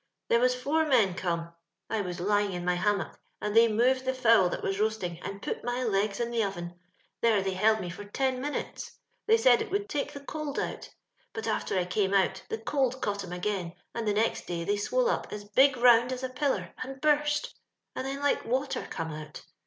There was four men came ; I was lying in my hammtxJc, and they moved tlie fowl that was roasting, and put my legs in the ovun. There they held me for ton minutes. They said it would take the cold out ; but after I came out the cold caught Vm again, and the next day they swolo up as big roimd as a pillar, and burst, and then like water come out.